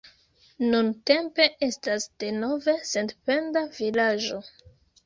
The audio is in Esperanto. Nuntempe estas denove sendependa vilaĝo.